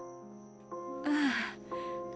ああ。